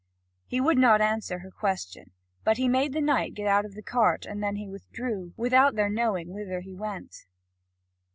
He would not answer her question, but he made the knight get out of the cart, and then he withdrew, without their knowing whither he went.